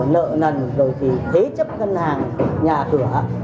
nợ nần rồi thì thế chấp ngân hàng nhà cửa